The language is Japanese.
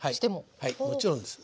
はいもちろんです。